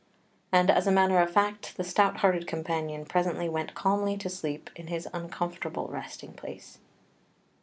And, as a matter of fact, the stout hearted champion presently went calmly to sleep in his uncomfortable resting place.